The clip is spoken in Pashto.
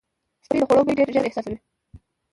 سپي د خوړو بوی ډېر ژر احساسوي.